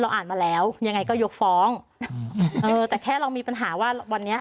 อ่านมาแล้วยังไงก็ยกฟ้องเออแต่แค่เรามีปัญหาว่าวันนี้